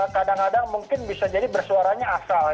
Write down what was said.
kadang kadang mungkin bisa jadi bersuaranya asal